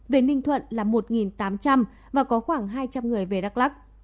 về ninh thuận là một tám trăm linh và có khoảng hai trăm linh người về đắk lắc